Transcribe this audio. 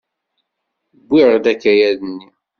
Wwiɣ-d akayad-nni.